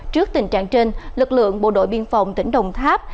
trước tình trạng trên lực lượng bộ đội biên phòng tỉnh đồng tháp